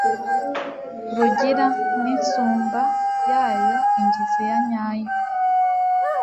Rugira n'insumba yayo Ingizi yanyayo